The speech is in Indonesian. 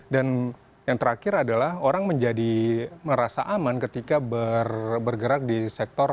dan yang terakhir adalah orang menjadi merasa aman ketika bergerak di sektor